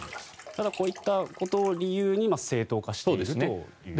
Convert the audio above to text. ただこういうことを理由に正当化していると。